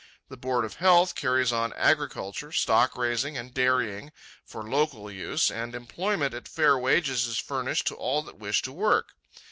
The Board of Health carries on agriculture, stock raising, and dairying, for local use, and employment at fair wages is furnished to all that wish to work.